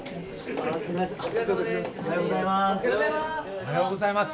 おはようございます。